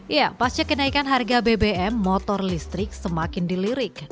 ya pasca kenaikan harga bbm motor listrik semakin dilirik